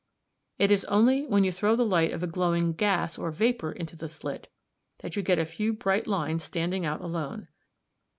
It is only when you throw the light of a glowing gas or vapour into the slit that you get a few bright lines standing out alone.